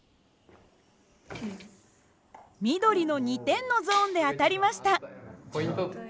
緑の２点のゾーンで当たりました。